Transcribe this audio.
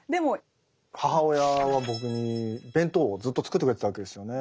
母親は僕に弁当をずっと作ってくれてたわけですよね。